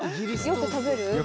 よく食べる。